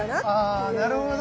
あなるほど。